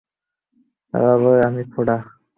তারা বলে, আমি খোঁড়া।